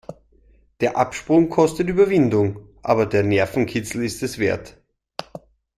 Der Absprung kostet Überwindung, aber der Nervenkitzel ist es wert.